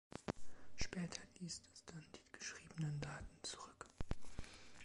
Später liest es dann die geschriebenen Daten zurück.